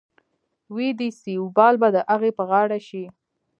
وې دې سي وبال به د اغې په غاړه شي.